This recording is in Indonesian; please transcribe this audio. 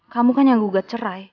kamu kan yang gugat cerai